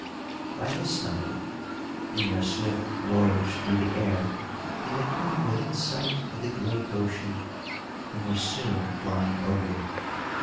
By this time, in their swift voyage through the air, they had come within sight of the great ocean, and were soon flying over it.